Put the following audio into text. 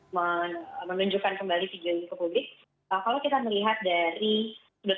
saya menayangkan kembali video ini saya setuju untuk tidak menayangkan dan tidak menunjukkan kembali video ini ke publik